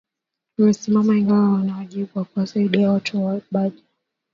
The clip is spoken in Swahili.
amesema ingawa wana wajibu wa kuwasaidia watu wa bajaur